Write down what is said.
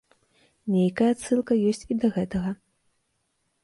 Нейкая адсылка ёсць і да гэтага.